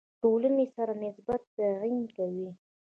ټولنې سره نسبت تعیین کوي.